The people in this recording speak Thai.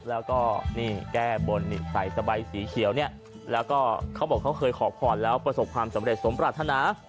แล้วก็นี่แก้บนใส่สบายสีเขียวเนี่ยแล้วก็เขาบอกเขาเคยขอพรแล้วประสบความสำเร็จสมปรารถนา